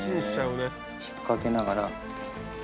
引っかけながら。